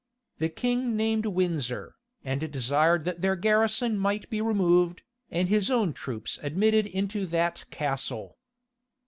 The king named Windsor, and desired that their garrison might be removed, and his own troops admitted into that castle.